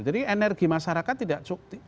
jadi energi masyarakat tidak